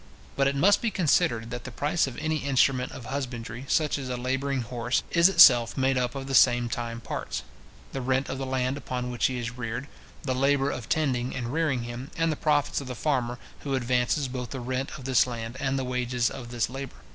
But it must be considered, that the price of any instrument of husbandry, such as a labouring horse, is itself made up of the same time parts; the rent of the land upon which he is reared, the labour of tending and rearing him, and the profits of the farmer, who advances both the rent of this land, and the wages of this labour.